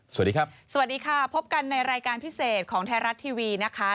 สวัสดีครับสวัสดีค่ะพบกันในรายการพิเศษของไทยรัฐทีวีนะคะ